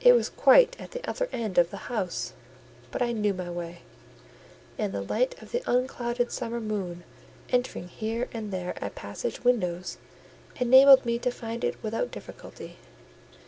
It was quite at the other end of the house; but I knew my way; and the light of the unclouded summer moon, entering here and there at passage windows, enabled me to find it without difficulty.